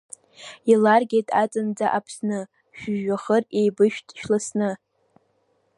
Иларгеит аҵанӡа Аԥсны, шәыжәҩахыр еибышәҭ шәласны.